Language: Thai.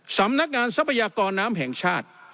สำนักงานทรัพยากรน้ำแห่งชาติ